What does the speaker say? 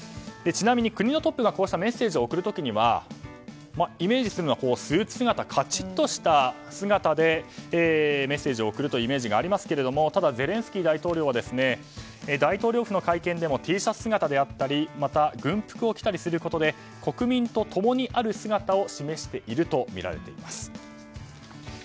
ちなみに国のトップがこうしたメッセージを送る時はイメージするのはスーツ姿かちっとした姿でメッセージを送るというイメージがありますがただ、ゼレンスキー大統領は大統領府の会見でもＴシャツ姿であったりまた軍服を着たりすることで国民と共にある姿を示しているとみられています。